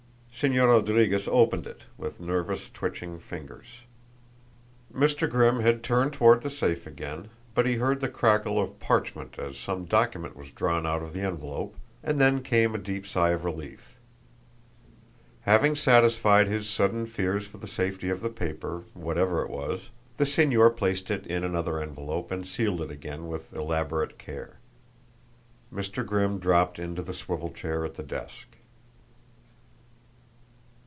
Señor Rodriguez opened it, with nervous, twitching fingers. Mr. Grimm had turned toward the safe again, but he heard the crackle of parchment as some document was drawn out of the envelope, and then came a deep sigh of relief. Having satisfied his sudden fears for the safety of the paper, whatever it was, the señor placed it in another envelope and sealed it again with elaborate care. Mr. Grimm dropped into the swivel chair at the desk.